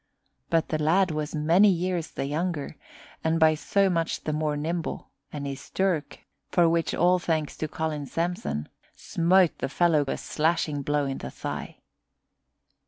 But the lad was many years the younger, and by so much the more nimble, and his dirk for which all thanks to Colin Samson! smote the fellow a slashing blow in the thigh.